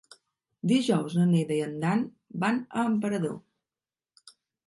Dijous na Neida i en Dan van a Emperador.